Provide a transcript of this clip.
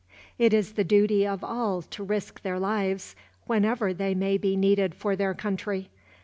It is the duty of all to risk their lives, whenever they be needed for their country.